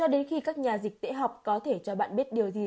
đến khi các nhà dịch tễ học có thể cho bạn biết điều gì